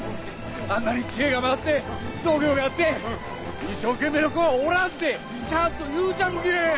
「あんなに知恵が回って度胸があって一生懸命な子はおらん」てちゃんと言うちゃるけぇ！